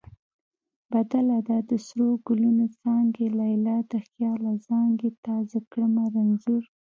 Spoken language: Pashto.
بدله ده: د سرو ګلونو څانګې لیلا د خیاله زانګې تا زه کړمه رنځور